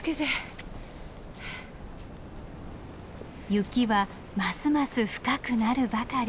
雪はますます深くなるばかり。